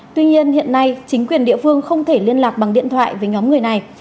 tuy nhiên hiện nay chính quyền địa phương không thể liên lạc bằng điện thoại với nhóm người này